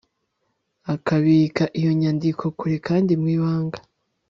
akabika iyo nyandiko kure kandi mu ibanga